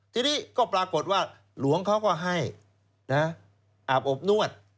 ทีนี้ก็ปรากฏว่าหลวงเขาก็ให้อาบอบนวด